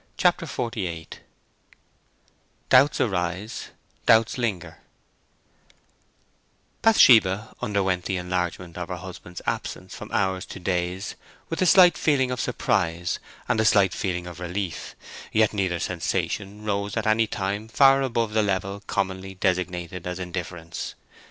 CHAPTER XLVIII DOUBTS ARISE—DOUBTS LINGER Bathsheba underwent the enlargement of her husband's absence from hours to days with a slight feeling of surprise, and a slight feeling of relief; yet neither sensation rose at any time far above the level commonly designated as indifference.